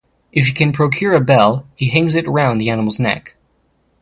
If he can procure a bell, he hangs it round the animal's neck.